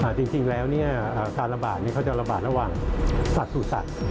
จริงแล้วเนี่ยการระบาดเนี่ยเขาจะระบาดระหว่างสัตว์สู่สัตว์